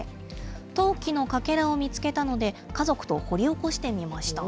陶器のかけらを見つけたので家族と掘り起こしてみました。